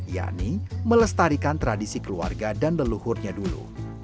yakni melestarikan tradisi keluarga dan leluhurnya dulu